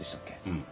うん。